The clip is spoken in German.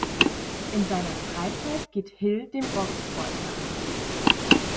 In seiner Freizeit geht Hill dem Boxsport nach.